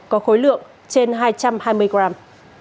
có khối lượng trên hai trăm hai mươi gram